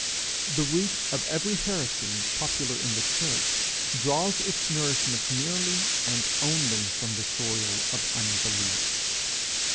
The root of every heresy popular in the church draws its nourishment merely and only from the soil of unbelief.